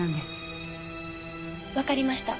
わかりました。